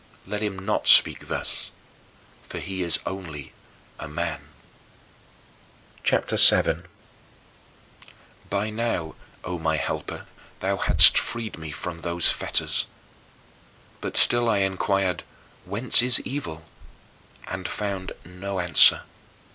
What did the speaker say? Let him not speak thus, for he is only a man. CHAPTER VII 11. By now, O my Helper, thou hadst freed me from those fetters. But still I inquired, "Whence is evil?" and found no answer.